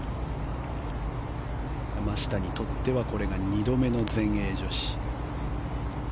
山下にとってはこれが２度目の全英女子。